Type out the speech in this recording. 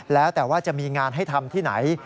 แล้วแต่ว่าจะมีงานให้ทำที่ไหน